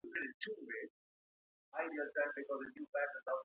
ايلاء کوونکی تر څلورو مياشتو پوري ميرمني ته نژدې نسي.